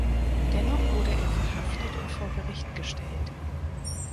Dennoch wurde er verhaftet und vor Gericht gestellt.